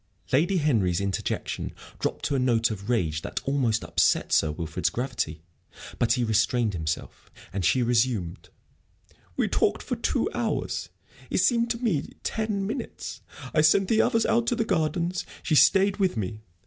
Lady Henry's interjection dropped to a note of rage that almost upset Sir Wilfrid's gravity; but he restrained himself, and she resumed: "We talked for two hours; it seemed to me ten minutes. I sent the others out to the gardens. She stayed with me.